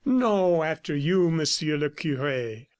"No, after you, Monsieur le cure."